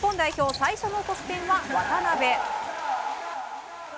最初の得点は渡邊。